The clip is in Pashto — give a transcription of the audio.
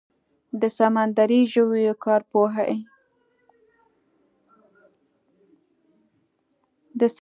د سمندري ژویو کارپوهې